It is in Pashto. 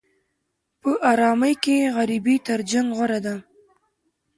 په ارامۍ کې غریبي تر جنګ غوره ده.